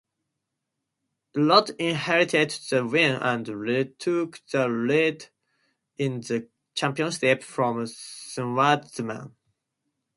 Ilott inherited the win and retook the lead in the championship from Shwartzman.